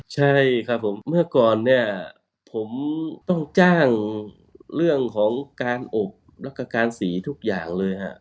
ใช่ครับผมเมื่อก่อนเนี่ยผมต้องจ้างเรื่องของการอบแล้วก็การสีทุกอย่างเลยฮะ